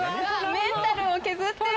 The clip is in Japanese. メンタルを削ってる。